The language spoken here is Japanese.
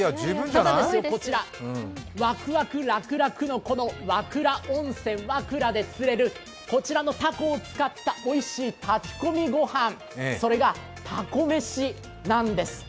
ただ、こちらワクワクラクラクの和倉温泉で釣れるこちらのタコを使ったおいしい炊き込みご飯それがたこめし、なんです。